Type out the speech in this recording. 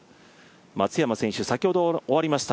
松山選手、先ほど終わりました